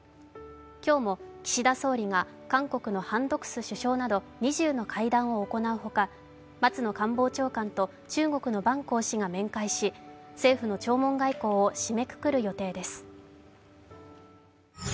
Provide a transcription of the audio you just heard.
今日も岸田総理が韓国のハン・ドクス首相など２０の会談を行う他、松野官房長官と中国の万鋼氏が面会し、政府の弔問外交を締めくくる予定です。